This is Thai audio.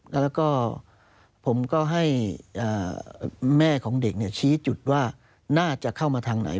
แล้วก็ผมก็ให้แม่ของเด็กชี้จุดว่าน่าจะเข้ามาทางไหน